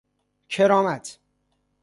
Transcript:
کرامت